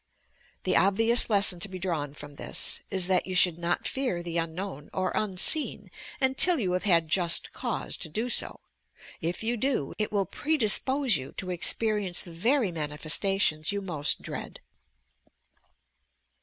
The obvious lesson to be drawn from this, is, that you should not fear the unknown or unseen until you have had just cause to do so. If you do, it will predispose you to experience the very manifestations you most dread.